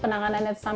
bisakah penyakit alam